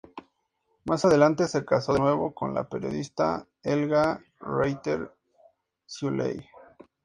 Más adelante se casó de nuevo, con la periodista Helga Reiter-Ciulei.